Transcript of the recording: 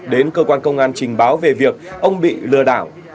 đến cơ quan công an trình báo về việc ông bị lừa đảo